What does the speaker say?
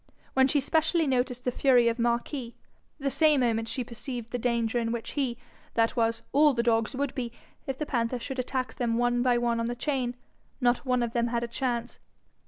When she specially noticed the fury of Marquis, the same moment she perceived the danger in which he, that was, all the dogs, would be, if the panther should attack them one by one on the chain; not one of them had a chance.